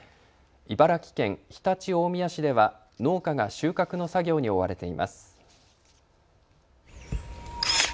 茨城県常陸大宮市では農家が収穫の作業に追われています。